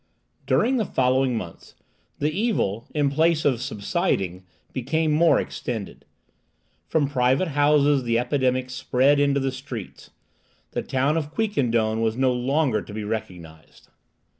During the following months the evil, in place of subsiding, became more extended. From private houses the epidemic spread into the streets. The town of Quiquendone was no longer to be recognized.